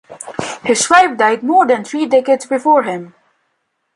His wife died more than three decades before him.